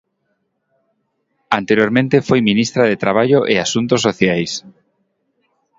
Anteriormente foi ministra de Traballo e Asuntos Sociais.